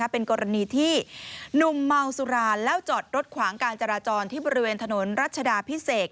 เป็นกรณีที่หนุ่มเมาสุราแล้วจอดรถขวางการจราจรที่บริเวณถนนรัชดาพิเศษ